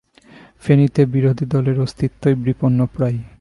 ফেনীতে বিরোধী দলের অস্তিত্বই বিপন্নপ্রায়।